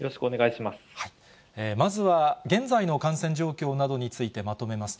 まずは現在の感染状況などについてまとめます。